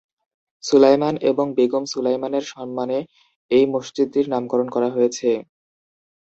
সুলাইমান এবং বেগম সুলাইমানের সম্মানে এই মসজিদটির নামকরণ করা হয়েছে।